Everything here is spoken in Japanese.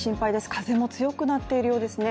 風も強くなっているようですね。